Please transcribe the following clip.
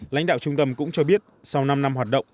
lãnh đạo trung tâm cũng cho biết sau năm năm hoạt động